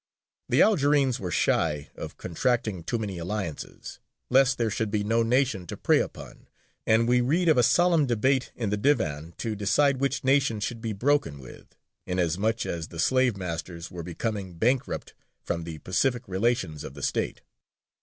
The Algerines were shy of contracting too many alliances, lest there should be no nation to prey upon, and we read of a solemn debate in the Divan to decide which nation should be broken with, inasmuch as the slave masters were becoming bankrupt from the pacific relations of the State.